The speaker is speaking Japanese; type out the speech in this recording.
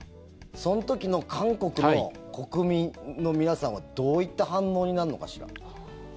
その時の韓国の国民の皆さんはどういった反応になるのかしら。